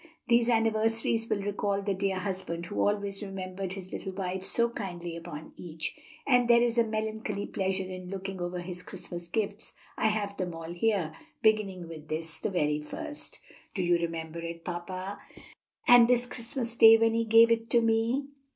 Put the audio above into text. "These anniversaries will recall the dear husband who always remembered his little wife so kindly upon each, and there is a melancholy pleasure in looking over his Christmas gifts, I have them all here, beginning with this the very first. Do you remember it, papa? And this Christmas day when he gave it to me?